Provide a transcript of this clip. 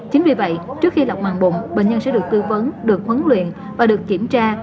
chính vì vậy trước khi lọc màng bụng bệnh nhân sẽ được tư vấn được huấn luyện và được kiểm tra